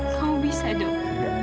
kamu bisa dok